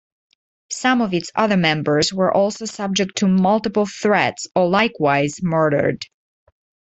Some of its other members were also subject to multiple threats or likewise murdered.